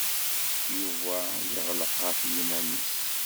Yuba yeɣleq ɣef yiman-nnes.